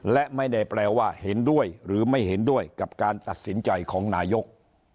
และไม่ได้แปลว่าเห็นด้วยหรือไม่เห็นด้วยกับการตัดสินใจของนายก